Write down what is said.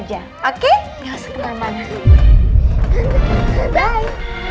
biar katanya semuanya gitu bisa juicy ya kan